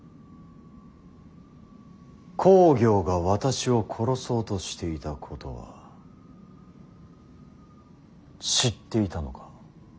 公暁が私を殺そうとしていたことは知っていたのか。